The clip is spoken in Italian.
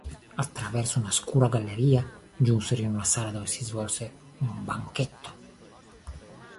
Attraverso una scura galleria giunsero in una sala dove si svolse un banchetto.